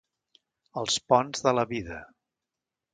Els ponts de la vida.